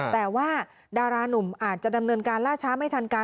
แต่ว่าดารานุ่มอาจจะดำเนินการล่าช้าไม่ทันการ